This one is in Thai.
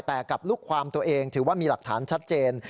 แต่กับลูกความตัวเองถือว่ามีหลักฐานชัดเจน